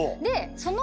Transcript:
その。